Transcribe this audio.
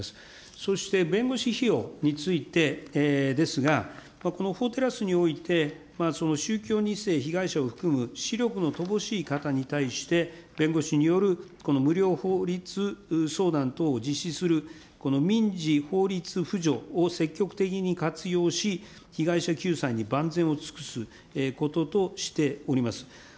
そして、弁護士費用についてですが、法テラスにおいて、宗教２世被害者を含む資力の乏しい方に対して、弁護士による無料法律相談等を実施する民事法律扶助を積極的に活用し、被害者救済に万全を尽くすこととしております。